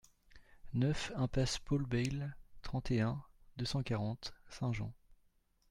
neuf iMPASSE PAUL BAYLE, trente et un, deux cent quarante, Saint-Jean